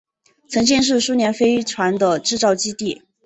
曾经是苏联飞船的制造基地。